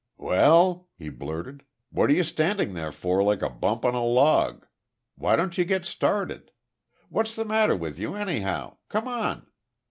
"Well?" he blurted, "what are you standing there for like a bump on a log? Why don't you get started? What's the matter with you, anyhow? Come on!"